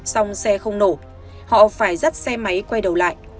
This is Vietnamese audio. xong xe không nổ họ phải dắt xe máy quay đầu lại